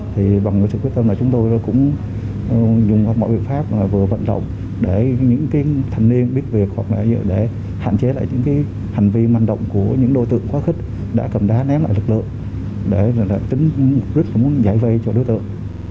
thì bằng sự quyết tâm là chúng tôi cũng dùng mọi biện pháp vừa vận động để những thần niên biết việc hoặc là để hạn chế lại những hành vi manh động của những đối tượng khó khích đã cầm đá ném lại lực lượng để tính một rứt giải vây cho đối tượng